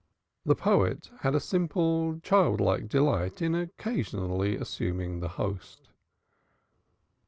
The poet had a simple child like delight in occasionally assuming the host.